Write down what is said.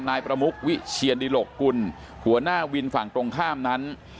นายประมุกวิเชียนดิหลกกุลหัวหน้าวินฝั่งตรงข้ามนั้น